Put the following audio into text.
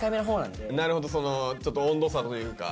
なるほどちょっと温度差というか。